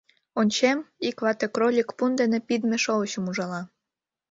Ончем, ик вате кролик пун дене пидме шовычым ужала.